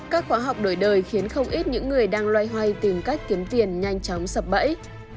các khóa học đổi đời khiến không ít những người đang loay hoay tìm cách kiếm tiền nhanh chóng sập bẫy